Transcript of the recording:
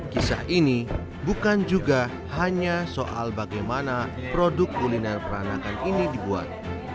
kisah ini bukan juga hanya soal bagaimana produk kuliner peranakan ini dibuat